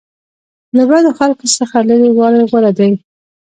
له بدو خلکو څخه لرې والی غوره دی.